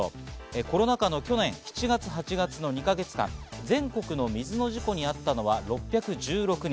コロナ禍の去年７月８月の２か月間、全国の水の事故にあったのは６１６人。